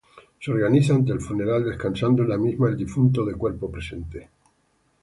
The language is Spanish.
Se organiza antes del funeral descansando en la misma el difunto de cuerpo presente.